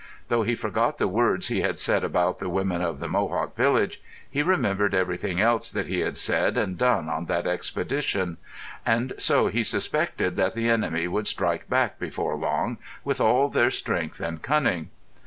Though he forgot the words he had said about the women of the Mohawk village, he remembered everything else that he had said and done on that expedition; and so he suspected that the enemy would strike back before long, with all their strength and cunning.